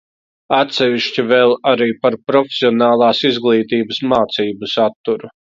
Atsevišķi vēl arī par profesionālās izglītības mācību saturu.